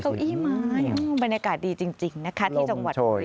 เก้าอี้ไม้บรรยากาศดีจริงนะคะที่จังหวัด